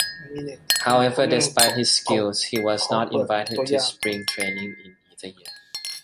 However, despite his skills he was not invited to spring training in either year.